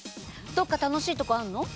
どっか楽しいとこあんの？